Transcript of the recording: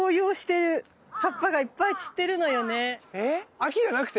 秋じゃなくて？